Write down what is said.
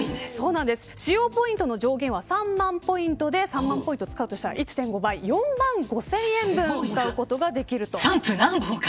使用ポイントの上限は３万ポイントで３万ポイント使うとしたら１．５倍で４万５０００ポイント使うことができる。